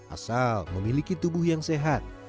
asal memiliki tubuh yang sehat